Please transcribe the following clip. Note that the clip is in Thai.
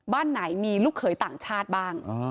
บ้านไหนมีลูกเขยต่างชาติบ้าง